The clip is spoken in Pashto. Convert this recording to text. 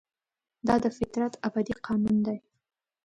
دا د فطرت ابدي قانون دی.